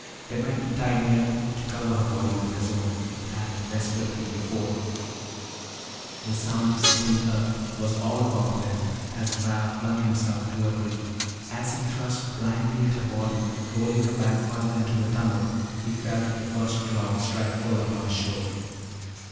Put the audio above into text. There might be time yet to cover her body with his own, he planned desperately, before The sound of slipping earth was all about them as Val flung himself toward Ricky. As he thrust blindly at her body, rolling her back farther into the tunnel, he felt the first clod strike full upon his shoulder.